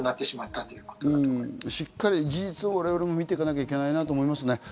しっかり事実を我々も見ていかなきゃいけないなと思いますね。